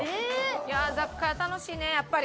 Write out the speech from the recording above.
いや雑貨屋楽しいねやっぱり。